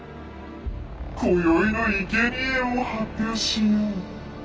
こよいのいけにえを発表しよう。